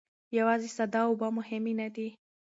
یوازې ساده اوبه مهمې نه دي.